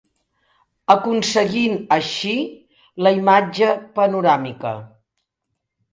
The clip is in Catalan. Aconseguint així la imatge panoràmica.